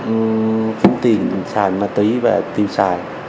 ừm không tiền xài ma túy và tiêu xài